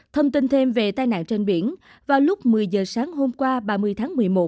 thông tin thêm về tai nạn trên biển vào lúc một mươi giờ sáng hôm qua ba mươi tháng một mươi một